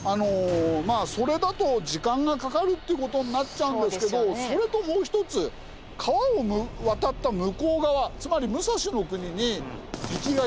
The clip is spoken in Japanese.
それだと時間がかかるって事になっちゃうんですけどそれともう一つ川を渡った向こう側つまりえーっ！